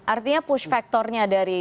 artinya push factornya dari